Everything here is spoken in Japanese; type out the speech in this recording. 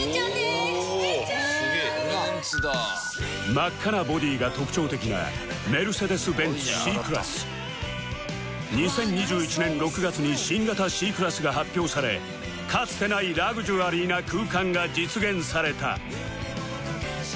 真っ赤なボディーが特徴的なメルデセス・ベンツ Ｃ クラス２０２１年６月に新型 Ｃ クラスが発表されかつてないラグジュアリーな空間が実現された